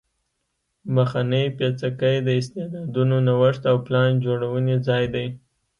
مخنی پیڅکی د استعدادونو نوښت او پلان جوړونې ځای دی